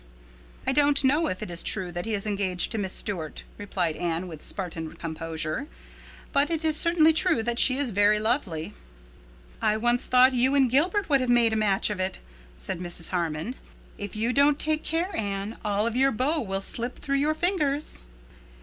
"I don't know if it is true that he is engaged to Miss Stuart," replied Anne, with Spartan composure, "but it is certainly true that she is very lovely." "I once thought you and Gilbert would have made a match of it," said Mrs. Harmon. "If you don't take care, Anne, all of your beaux will slip through your fingers."